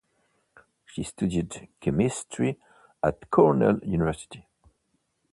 She studied chemistry at Cornell University.